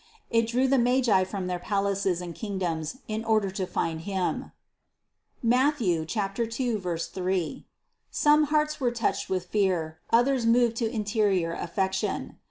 It drew the Magi from their palaces and kingdoms in order to find Him (Matth. 2, 3). Some hearts were touched with fear, others moved to interior affection.